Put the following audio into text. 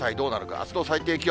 あすの最低気温。